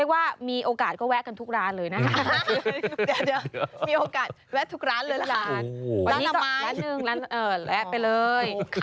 วันนี้ก็ล้านหนึ่งและไปเลย